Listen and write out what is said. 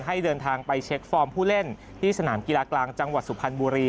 ให้เดินทางไปเช็คฟอร์มผู้เล่นที่สนามกีฬากลางจังหวัดสุพรรณบุรี